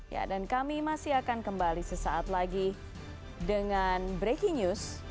ya dan kami masih akan kembali sesaat lagi dengan breaking news